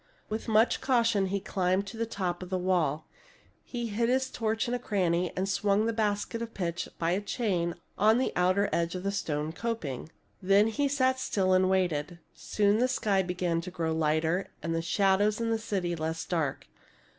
With much caution he climbed to the top of the wall. He hid his torch in a cranny, and swung the basket of pitch by a chain on the outer edge of the stone coping. Then he sat still and waited. Soon the sky began to grow lighter and the shadows in the city less dark.